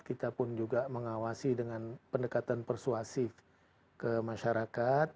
kita pun juga mengawasi dengan pendekatan persuasif ke masyarakat